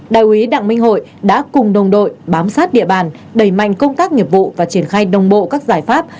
đại úy đặng minh hội đã cùng đồng đội bám sát địa bàn đẩy mạnh công tác nghiệp vụ và triển khai đồng bộ các giải pháp